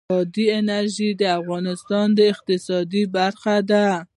بادي انرژي د افغانستان د اقتصاد برخه ده.